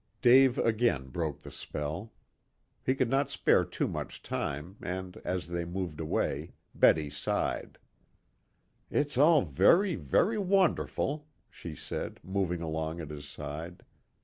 Dave again broke the spell. He could not spare too much time, and, as they moved away, Betty sighed. "It's all very, very wonderful," she said, moving along at his side.